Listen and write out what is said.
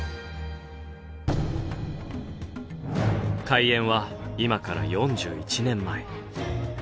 開園は今から４１年前。